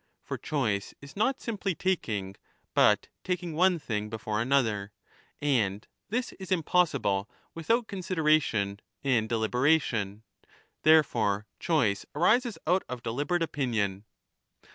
For choice is not simply taking but taking one thing before another ; and this is impossible without consideration and deliberation ; therefore choice arises out of deliberate opinion.